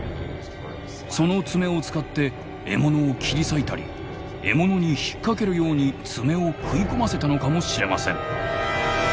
その爪を使って獲物を切り裂いたり獲物に引っ掛けるように爪を食い込ませたのかもしれません。